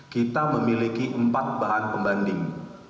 kita memiliki empat bahan pembanding